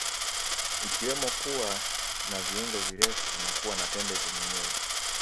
Ikiwemo kuwa na viungo virefu na kuwa na pembe zenye nywele